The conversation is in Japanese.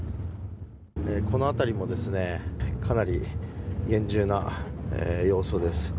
この辺りもかなり厳重な様相です。